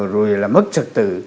rồi là mất trật tự